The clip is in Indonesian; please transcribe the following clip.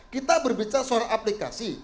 kita berbicara soal aplikasi